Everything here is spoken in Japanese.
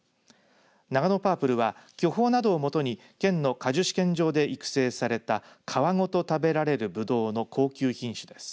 ナガノパープルは巨峰などをもとに県の果樹試験場で育成された皮ごと食べられるぶどうの高級品種です。